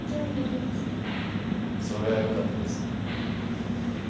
それはよかったです。